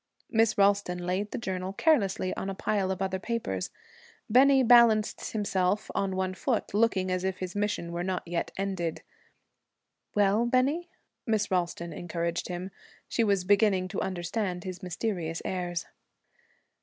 Miss Ralston laid the journal carelessly on a pile of other papers. Bennie balanced himself on one foot, looking as if his mission were not yet ended. 'Well, Bennie?' Miss Ralston encouraged him. She was beginning to understand his mysterious airs.